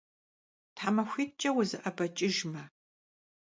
Themaxuit'ç'e vuze'ebeç'ıjjme.